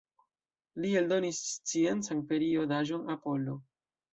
Li eldonis sciencan periodaĵon „Apollo”.